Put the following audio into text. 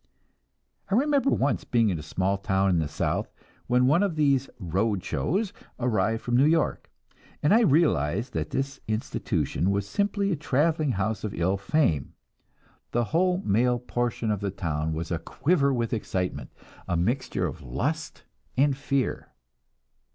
I remember once being in a small town in the South, when one of these "road shows" arrived from New York, and I realized that this institution was simply a traveling house of ill fame; the whole male portion of the town was a quiver with excitement, a mixture of lust and fear.